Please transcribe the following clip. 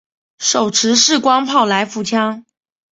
手持式光炮来福枪。